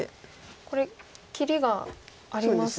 これ切りがありますね。